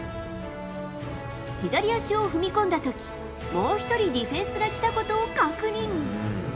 左足を踏み込んだ時もう１人ディフェンスが来たことを確認。